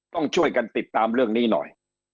ต้องช่วยกันติดตามเรื่องนี้หน่อย